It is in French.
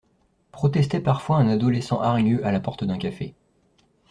Protestait parfois un adolescent hargneux à la porte d'un café.